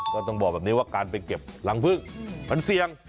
ต้องบอกแบบนี้ว่าการไปเก็บรังพึ่งมันเสี่ยง